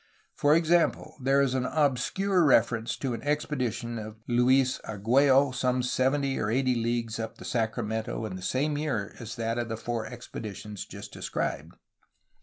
For example, there is an obscure reference to an expedition of Luis Argliello some seventy or eighty leagues up the Sacramento in the same year as that of the four expeditions just described.